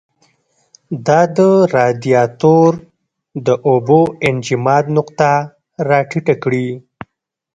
دا د رادیاتور د اوبو انجماد نقطه را ټیټه کړي.